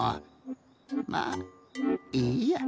まあいいや。